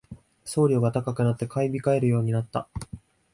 送料が高くなって買い控えるようになった